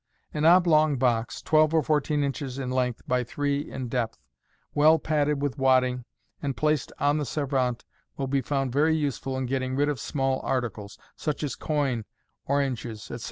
An oblong box, twelve or fourteen inches in length by three in depth, well padded with wadding, and placed on the servante, will be found very useful in getting rid of small articles, such as coin, oranges, etc.